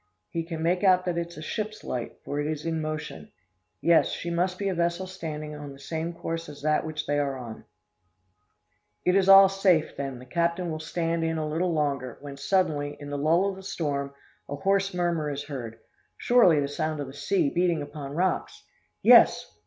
He can make out that it is a ship's light, for it is in motion. Yes, she must be a vessel standing on in the same course as that which they are on. [Illustration: ON A LEE SHORE.] It is all safe, then; the captain will stand in a little longer; when suddenly, in the lull of the storm, a hoarse murmur is heard surely the sound of the sea beating upon rocks! Yes!